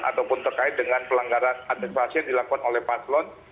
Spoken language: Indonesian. ataupun terkait dengan pelanggaran administrasi yang dilakukan oleh paslon